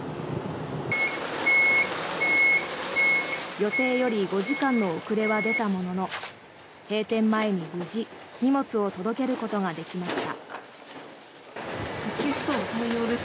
予定より５時間の遅れは出たものの閉店前に無事、荷物を届けることができました。